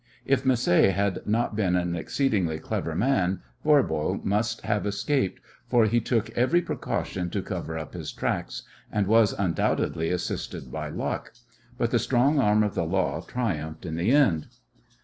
If Macé had not been an exceedingly clever man Voirbo must have escaped, for he took every precaution to cover up his tracks, and was undoubtedly assisted by luck. But the strong arm of the law triumphed in the end.